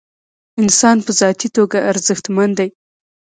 انسان په ذاتي توګه ارزښتمن دی.